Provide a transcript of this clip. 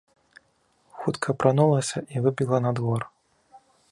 Хутка апранулася і выбегла на двор.